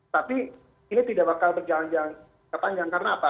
tapi ini tidak bakal berjalan jalan terpanjang karena apa